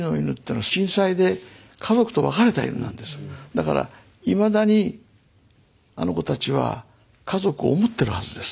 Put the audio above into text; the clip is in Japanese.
だからいまだにあの子たちは家族を思ってるはずです。